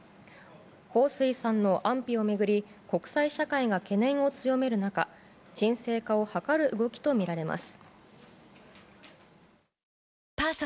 ホウ・スイさんの安否を巡り国際社会が懸念を強める中沈静化を図る動きとみられます。